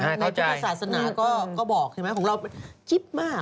ในพุทธศาสนาก็บอกใช่ไหมของเราชิปมาก